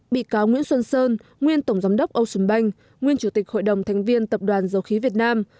bị cáo nguyễn xuân sơn nguyên tổng giám đốc ocean bank nguyên chủ tịch hội đồng thành viên tập đoàn dầu khí việt nam